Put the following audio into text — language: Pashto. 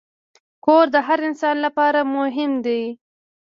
کور د هر انسان لپاره مهم دی.